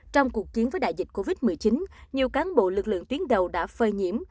trong cuộc chiến với đại dịch covid một mươi chín nhiều cán bộ lực lượng tuyến đầu đã phơi nhiễm